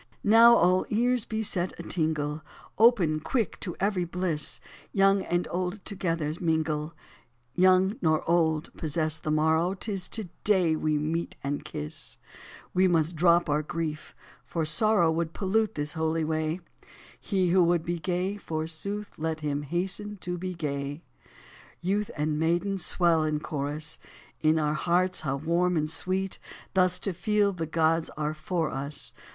73 Now all ears be set a tingle, Open, quick to every bliss 1 Young and old together mingle, Young nor old possess the morrow, 'Tis to day we meet and kiss ; We must drop our grief, for sorrow Would pollute this holy way : He who would be gay, forsooth, Let him hasten to be gay. Youth and maiden, swell the chorus 1 In our hearts how warm and sweet Thus to feel the gods are for us.